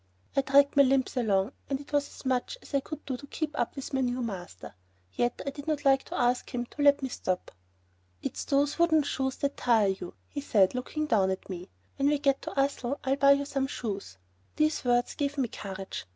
I dragged my limbs along and it was as much as I could do to keep up with my new master. Yet I did not like to ask him to let me stop. "It's those wooden shoes that tire you," he said, looking down at me. "When we get to Ussel, I'll buy you some shoes." These words gave me courage.